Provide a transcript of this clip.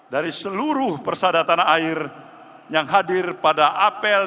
dari seluruh persadatan air yang hadir pada apel